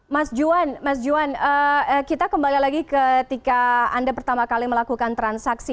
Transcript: mas juan mas juan kita kembali lagi ketika anda pertama kali melakukan transaksi